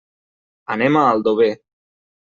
Anem a Aldover.